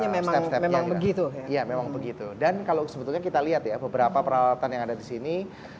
memang begitu ya memang begitu dan kalau sebetulnya kita lihat ya beberapa peralatan yang ada di sini